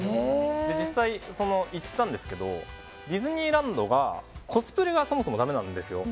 実際行ったんですけどディズニーランドがコスプレがそもそもだめなんですよ。